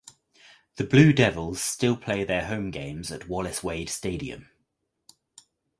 The Blue Devils still play their home games at Wallace Wade Stadium.